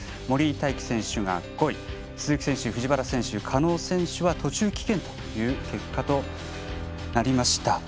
森井大輝選手が５位鈴木選手、藤原選手狩野選手は途中棄権という結果となりました。